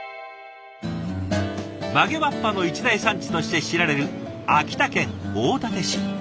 曲げわっぱの一大産地として知られる秋田県大館市。